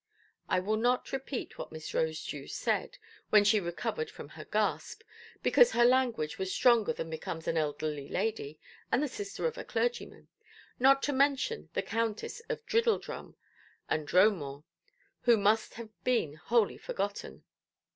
I will not repeat what Miss Rosedew said, when she recovered from her gasp, because her language was stronger than becomes an elderly lady and the sister of a clergyman, not to mention the Countess of Driddledrum and Dromore, who must have been wholly forgotten.